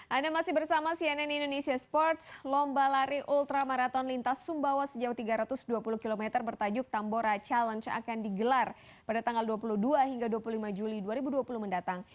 anda masih bersama cnn indonesia sports lomba lari ultra marathon lintas sumbawa sejauh tiga ratus dua puluh km bertajuk tambora challenge akan digelar pada tanggal dua puluh dua hingga dua puluh lima juli dua ribu dua puluh mendatang